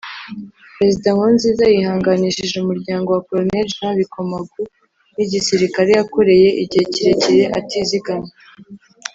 Perezida Nkurunziza yihanganishije umuryango wa Colonel Jean Bikomagu n’igisirikare yakoreye igihe kirekire atizigama